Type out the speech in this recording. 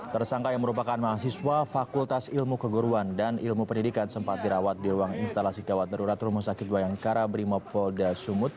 tersangka yang merupakan mahasiswa fakultas ilmu keguruan dan ilmu pendidikan sempat dirawat di ruang instalasi gawat darurat rumah sakit bayangkara brimopolda sumut